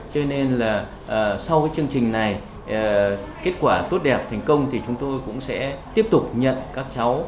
cho nên là sau cái chương trình này kết quả tốt đẹp thành công thì chúng tôi cũng sẽ tiếp tục nhận các cháu